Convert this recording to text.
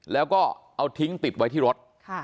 แล้วก็เอาทิ้งติดไว้ที่รถ